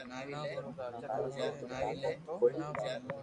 ٿاري امي ڪوئي لاگو تو ڪوئي ني